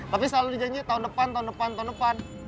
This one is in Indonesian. tapi selalu dijanjikan tahun depan tahun depan tahun depan